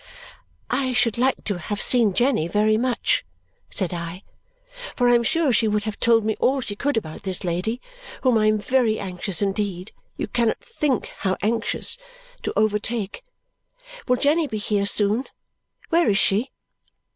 "I should like to have seen Jenny very much," said I, "for I am sure she would have told me all she could about this lady, whom I am very anxious indeed you cannot think how anxious to overtake. Will Jenny be here soon? Where is she?"